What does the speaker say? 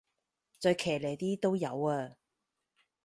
再騎呢啲都有啊